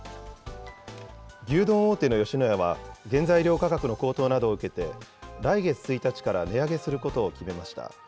牛丼大手の吉野家は、原材料価格の高騰などを受けて、来月１日から値上げすることを決めました。